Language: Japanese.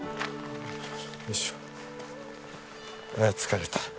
ああ疲れた。